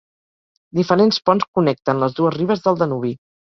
Diferents ponts connecten les dues ribes del Danubi.